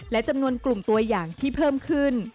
และจำนวนกลุ่มตัวอย่างที่เพิ่มขึ้น